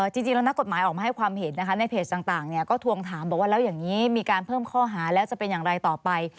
จริงแล้วนักกฎหมายออกมาให้ความเห็นนะคะในเพจต่างก็ทวงถามบอกว่าแล้วอย่างนี้มีการเพิ่มข้อหาแล้วจะเป็นอย่างไรต่อไป